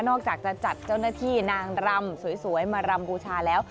อกจากจะจัดเจ้าหน้าที่นางรำสวยมารำบูชาแล้ว